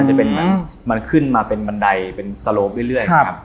จะเป็นมันขึ้นมาเป็นบันไดเป็นสโลปเรื่อยนะครับ